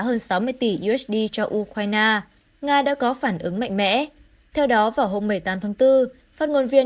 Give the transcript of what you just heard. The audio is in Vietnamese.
hơn sáu mươi tỷ usd cho ukraine nga đã có phản ứng mạnh mẽ theo đó vào hôm một mươi tám tháng bốn phát ngôn viên